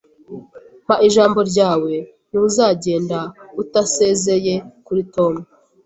Mpa ijambo ryawe ntuzagenda utasezeye kuri Tom